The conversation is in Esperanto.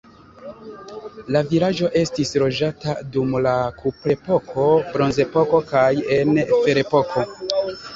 La vilaĝo estis loĝata dum la kuprepoko, bronzepoko kaj en ferepoko.